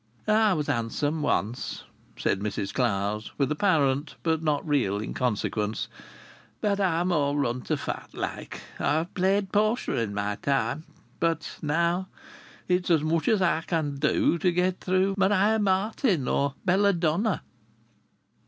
"I was handsome once," said Mrs Clowes, with apparent, but not real, inconsequence. "But I'm all run to fat, like. I've played Portia in my time. But now it's as much as I can do to get through with Maria Martin or Belladonna."